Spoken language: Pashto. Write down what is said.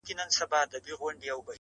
جنون مو مبارک سه زولنې دي چي راځي-